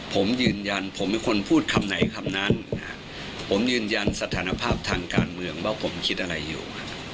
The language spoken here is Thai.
ผมยืนยันผมเป็นคนพูดคำไหนคำนั้นผมยืนยันสถานภาพทางการเมืองว่าผมคิดอะไรอยู่